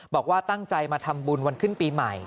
บอกว่าตั้งใจมาทำบุญวันขึ้นปีใหม่